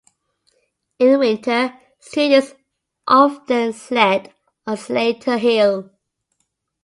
In winter, students often sled on Slayter Hill.